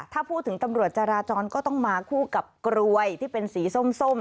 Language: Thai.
ถ้าพูดถึงตำรวจจราจรก็ต้องมาคู่กับกรวยที่เป็นสีส้ม